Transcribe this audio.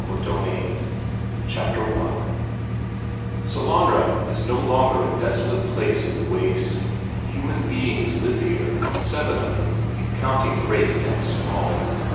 Book Two Chapter I Sellanraa is no longer a desolate spot in in the waste; human beings live here seven of them, counting great and small.